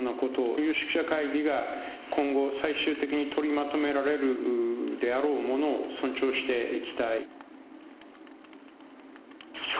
有識者会議が今後、最終的に取りまとめられるであろうものを尊重していきたい。